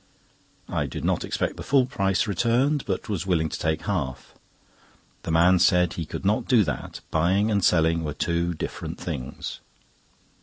I did not expect the full price returned, but was willing to take half. The man said he could not do that—buying and selling were two different things.